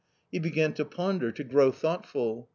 He began to ponder, to grow thoughtful.